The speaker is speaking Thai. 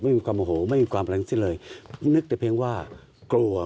ไม่มีความโอโหไม่มีความอะไรทั้งสิ้นเลยนึกแต่เพียงว่ากลัว